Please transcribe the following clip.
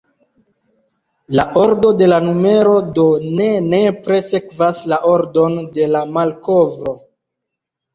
La ordo de la numero do ne nepre sekvas la ordon de la malkovro.